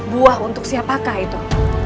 buah untuk siapakah itu